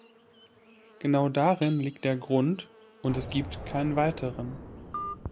Genau darin liegt der Grund, und es gibt keinen weiteren.